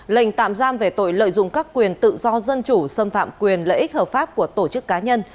lệnh tạm giam về tội lợi dụng các quyền tự do dân chủ xâm phạm quyền lợi ích hợp pháp của tổ chức cá nhân